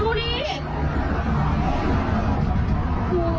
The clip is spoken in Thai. เอ่อดูดิ